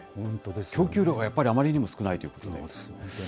供給量がやっぱりあまりにも少ないということなんですね。